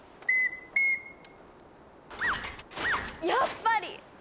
やっぱり！